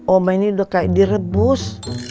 oma ini udah kayak direbus